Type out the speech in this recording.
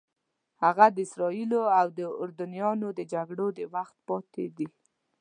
هغه د اسرائیلو او اردنیانو د جګړو د وخت پاتې دي.